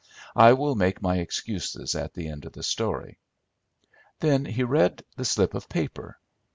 I will make my excuses at the end of the story." Then he read the slip of paper.